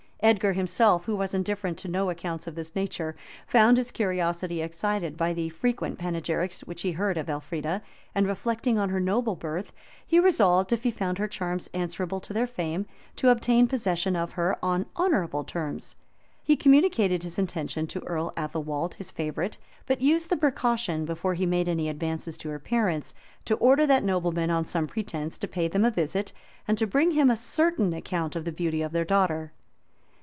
Edgar himself, who was indifferent to no accounts of this nature, found his curiosity excited by the frequent panegyrics which he heard of Elfrida; and reflecting on her noble birth, he resolved, if he found her charms answerable to their fame, to obtain possession of her on honorable terms. He communicated his intention to Earl Athelwold, his favorite, but used the precaution, before he made any advances to her parents, to order that nobleman, on some pretence, to pay them a visit, and to bring him a certain account of the beauty of their daughter.